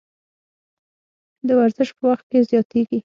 د ورزش په وخت کې زیاتیږي.